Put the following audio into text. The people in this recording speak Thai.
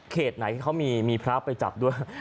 เขาจะมีพระไปจับด้วย